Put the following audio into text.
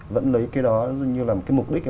vẫn lấy cái đó như là mục đích